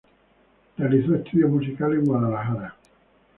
Realizó estudios musicales en Guadalajara.